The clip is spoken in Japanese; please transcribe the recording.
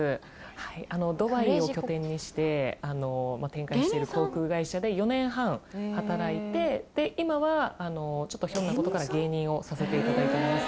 はいドバイを拠点にして展開している航空会社で４年半働いてで今はちょっとひょんなことから芸人をさせていただいております